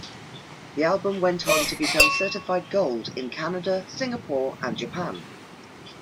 The album went on to become certified Gold in Canada, Singapore, and Japan.